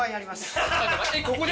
ここで？